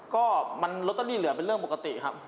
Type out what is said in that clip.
ก็มันลอตเตอรี่เหลือเป็นเรื่องปกติครับ